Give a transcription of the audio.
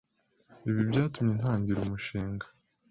Ibi byatumye ntangira umushinga